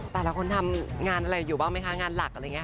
แต่ละคนทำงานอะไรอยู่บ้างไหมคะงานหลักอะไรอย่างนี้